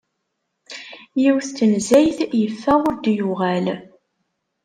Yiwet n tnezzayt yeffeɣ ur d-yuɣal.